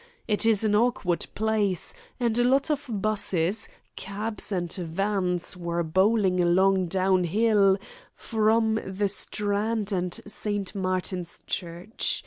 It is an awkward place, and a lot of 'buses, cabs, and vans were bowling along downhill from the Strand and St. Martin's Church.